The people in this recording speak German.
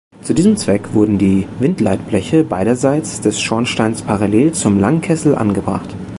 Zu diesem Zweck wurden die Windleitbleche beiderseits des Schornsteins parallel zum Langkessel angebracht.